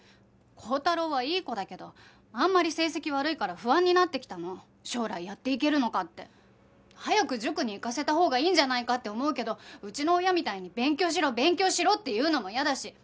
高太郎はいい子だけどあんまり成績悪いから不安になってきたの将来やっていけるのかって。早く塾に行かせたほうがいいんじゃないかって思うけどうちの親みたいに「勉強しろ勉強しろ」って言うのも嫌だし。